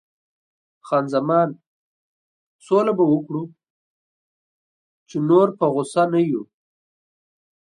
خان زمان: سوله به وکړو، چې نور په غوسه نه یو.